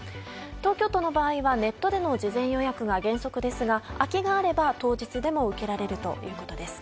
東京都の場合はネットでの事前予約が原則ですが空きがあれば当日でも受けられるということです。